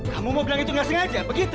kamu mau bilang itu nggak sengaja begitu